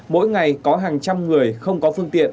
mỗi ngày có hàng trăm người không có phương tiện